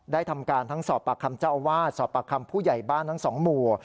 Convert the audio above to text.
ทำการทั้งสอบปากคำเจ้าอาวาสสอบปากคำผู้ใหญ่บ้านทั้งสองหมู่